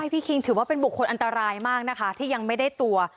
คิงถือว่าเป็นบุคคลอันตรายมากนะคะที่ยังไม่ได้ตัว